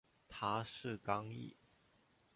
他是刚铎。